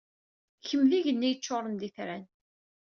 Kemm d igenni yeččuṛen d itran.